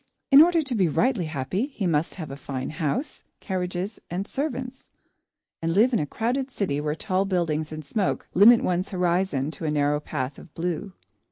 In order to be rightly happy, he must have a fine house, carriages, and servants, and live in a crowded city where tall buildings and smoke limit one's horizon to a narrow patch of blue.